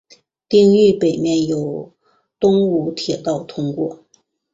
町域北边有东武铁道通过。